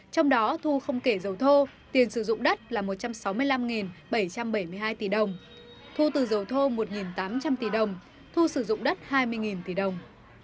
trong đó thu không kể dầu thô tiền sử dụng đất là một trăm sáu mươi năm bảy trăm bảy mươi hai tỷ đồng thu từ dầu thô một tám trăm linh tỷ đồng thu sử dụng đất hai mươi tỷ đồng